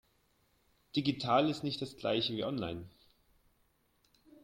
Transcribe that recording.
Digital ist nicht das Gleiche wie online.